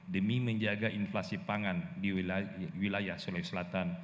demi menjaga inflasi pangan di wilayah sulawesi selatan